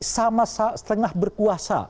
sama setengah berkuasa